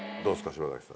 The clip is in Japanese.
島崎さん。